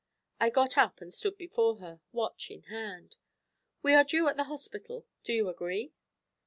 I got up and stood before her, watch in hand. 'We are due at the hospital. Do you agree?'